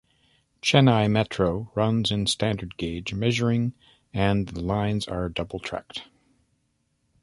Chennai Metro runs in standard gauge measuring and the lines are double-tracked.